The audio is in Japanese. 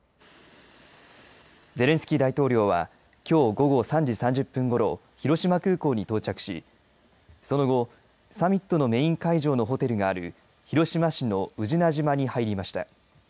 ゼレンスキー大統領はきょう午後３時３０分ごろ広島空港に到着しその後、サミットのメイン会場のホテルがある広島市の宇品島に入りました。